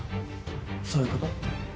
そういうこと？